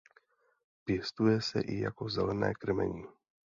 Pěstuje se i jako zelené krmení.